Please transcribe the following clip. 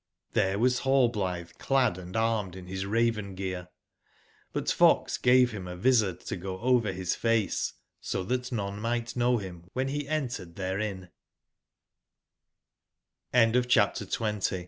T^here was Rallblithe clad and armed in his Raven gear; but fox gave him avizard to go over his face, so that none might know him when he entered there